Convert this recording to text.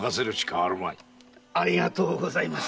ありがとうございます。